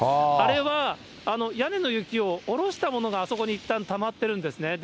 あれは屋根の雪をおろしたものがあそこにいったんたまってるんですね。